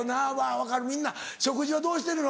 分かるみんな食事はどうしてるの？